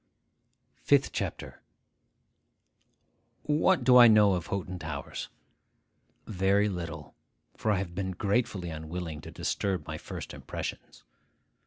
FIFTH CHAPTER WHAT do I know of Hoghton Towers? Very little; for I have been gratefully unwilling to disturb my first impressions.